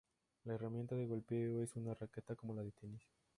La herramienta de golpeo es una raqueta como las de tenis.